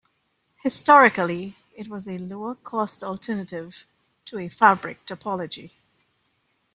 Historically it was a lower-cost alternative to a fabric topology.